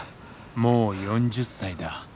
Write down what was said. もう４０歳だ。